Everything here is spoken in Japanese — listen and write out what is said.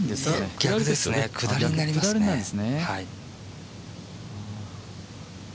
逆ですね、下りになります。